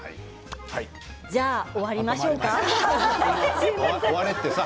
じゃあ終わりましょうか。